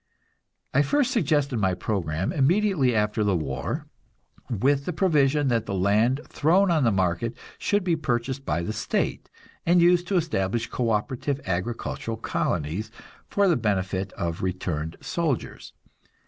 I first suggested my program immediately after the war, with the provision that the land thrown on the market should be purchased by the state, and used to establish co operative agricultural colonies for the benefit of returned soldiers.